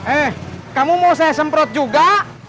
eh kamu mau saya semprot juga